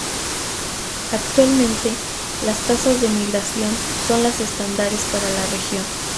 Actualmente, las tasas de migración son las estándares para la región.